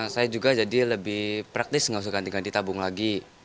saya juga jadi lebih praktis nggak usah ganti ganti tabung lagi